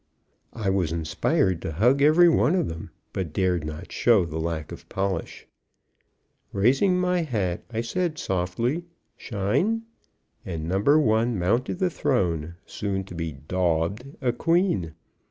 I was inspired to hug every one of them, but dared not show the lack of polish. Raising my hat, I said softly, "Shine," and number one mounted the throne, soon to be "daubed" a queen.